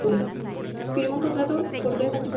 Firmó un contrato por tres años con el St.